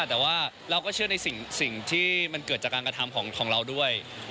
แต่ว่าเราก็เชื่อในสิ่งที่มันเกิดจากการกระทำของเราด้วย